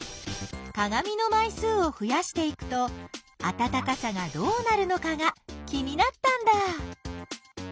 かがみのまい数をふやしていくとあたたかさがどうなるのかが気になったんだ！